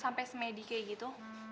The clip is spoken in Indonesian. sampai se medik gitu